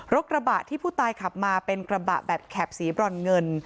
กระบะที่ผู้ตายขับมาเป็นกระบะแบบแข็บสีบรอนเงิน